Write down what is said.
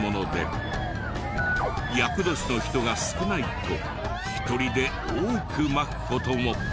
厄年の人が少ないと１人で多くまく事も。